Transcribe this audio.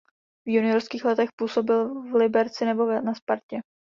V juniorských letech působil v Liberci nebo na Spartě.